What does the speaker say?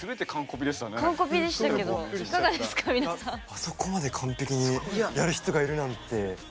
あそこまで完璧にやる人がいるなんて。